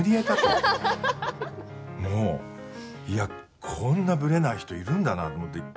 もう、いや、こんなぶれない人いるんだなって思って。